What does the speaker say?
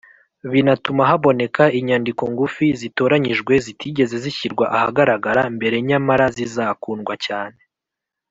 binatuma haboneka inyandiko ngufi zitoranyijwe zitigeze zishyirwa ahagaragara mbere nyamara zizakundwa cyane